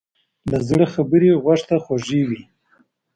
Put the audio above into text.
له زړه خبرې غوږ ته خوږې وي.